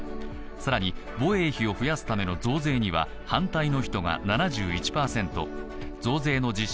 更に防衛費を増やすための増税には反対の人が７１％増税の実施